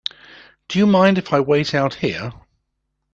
Do you mind if I wait out here?